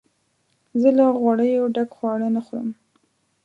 زه له غوړیو ډک خواړه نه خورم.